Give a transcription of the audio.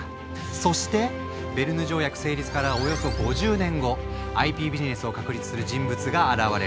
そしてベルヌ条約成立からおよそ５０年後ＩＰビジネスを確立する人物が現れる。